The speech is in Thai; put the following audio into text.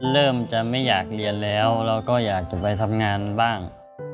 เริ่มจะไม่อยากเรียนแล้วเราก็อยากจะไปทำงานบ้าง